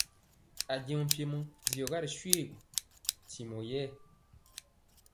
Ajeŋg mpiemɔ diɔga ri shoégu ntimɔ yɛɛ.